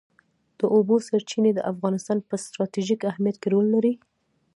د اوبو سرچینې د افغانستان په ستراتیژیک اهمیت کې رول لري.